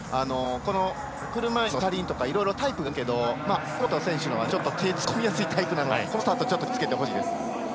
この車いすの車輪とかいろいろタイプがあるんですがコックロフト選手のはちょっと手を突っ込みやすいタイプなのでこのスタートちょっと気をつけてほしいです。